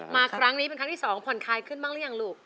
มาครั้งนี้เป็นครั้งที่๒ผ่อนคลายขึ้นบ้างหรือยังลูก